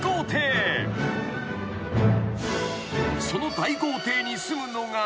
［その大豪邸に住むのが］